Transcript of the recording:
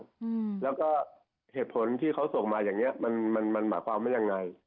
อืมแล้วก็เหตุผลที่เขาส่งมาอย่างเงี้ยมันมันหมายความว่ายังไง